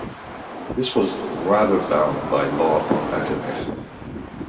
This was rather bound by law for Metternich.